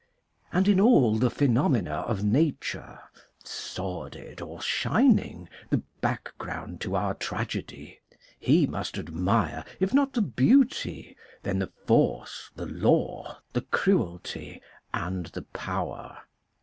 And in all the phe nomena of nature, sordid or shining, the background to our tragedy, he must admire, if not the beauty, then the force, the law, the cruelty, and the power.